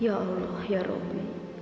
ya allah ya rabbi